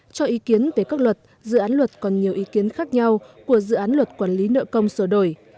cho ý kiến về các luật dự án luật còn nhiều ý kiến khác nhau của dự án luật quản lý nợ công sửa đổi